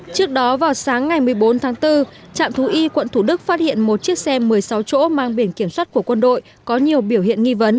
trước đó vào sáng ngày một mươi bốn tháng bốn trạm thú y quận thủ đức phát hiện một chiếc xe một mươi sáu chỗ mang biển kiểm soát của quân đội có nhiều biểu hiện nghi vấn